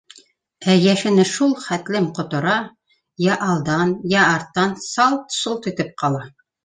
Ә йәшене шул хәтлем ҡотора: йә алдан, йә арттан салт-солт итеп ҡала.